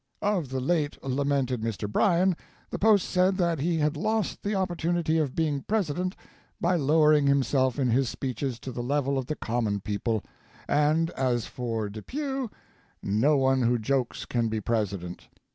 Of the late lamented Mr. Bryan The Post said that he had lost the opportunity of being President by lowering himself in his speeches to the level of the common people, and as far Depew, no one who jokes can be President.